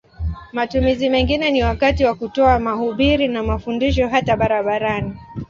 Matumizi mengine ni wakati wa kutoa mahubiri na mafundisho hata barabarani.